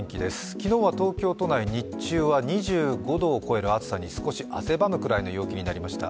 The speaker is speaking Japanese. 昨日は東京都内、日中は２５度を超える暑さに少し汗ばむくらいの陽気になりました。